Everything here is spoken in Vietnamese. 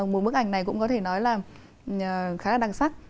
một bức ảnh này cũng có thể nói là khá là đặc sắc